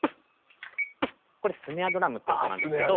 これスネアドラムという音なんですけど。